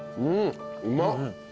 うまっ！